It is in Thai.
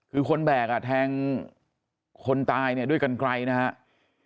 คือคนแบกแทงคนตายเนี่ยด้วยกันไกลนะครับ